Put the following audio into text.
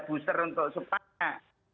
booster untuk supaya